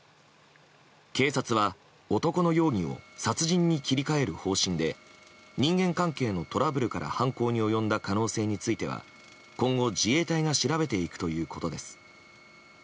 警察は男の容疑を殺人に切り替える方針で人間関係のトラブルから犯行に及んだ可能性については今後、自衛隊が調べていくということです。